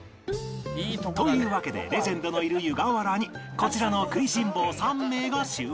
というわけでレジェンドのいる湯河原にこちらの食いしん坊３名が集合